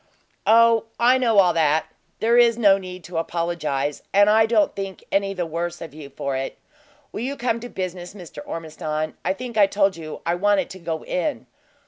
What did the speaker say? "Oh, I know all that. There is no need to apologize, and I don't think any the worse of you for it. Will you come to business, Mr. Ormiston? I think I told you I wanted to go in.